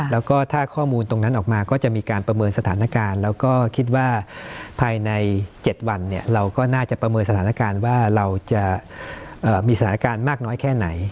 แล้วก็ถ้าข้อมูลตรงนั้นออกมาก็จะมีการประเมินสถานการณ์แล้วก็คิดว่าภายใน๗วันเราก็น่าจะประเมินสถานการณ์ว่าเราจะมีสถานการณ์มากน้อยแค่ไหน